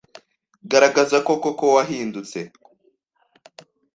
Garagaza koko ko wahindutse